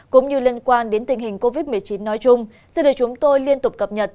cũng như liên quan đến tình hình covid một mươi chín nói chung xin được chúng tôi liên tục cập nhật